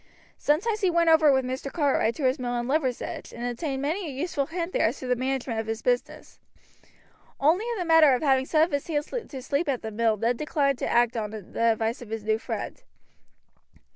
Sometimes he went over with Mr. Cartwright to his mill at Liversedge and obtained many a useful hint there as to the management of his business. Only in the matter of having some of his hands to sleep at the mill Ned declined to act on the advice of his new friend.